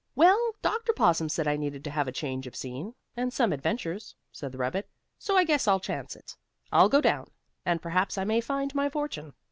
"Well, Dr. Possum said I needed to have a change of scene, and some adventures," said the rabbit, "so I guess I'll chance it. I'll go down, and perhaps I may find my fortune."